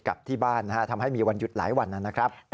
กลับที่บ้านทำให้มีหยุดหลายวัน